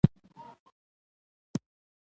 طوفان د قدرت قهر ښيي.